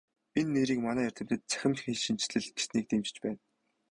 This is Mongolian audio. Энэ нэрийг манай эрдэмтэд "Цахим хэлшинжлэл" гэснийг дэмжиж байна.